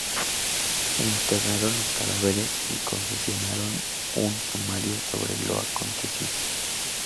Enterraron los cadáveres y confeccionaron un sumario sobre lo acontecido.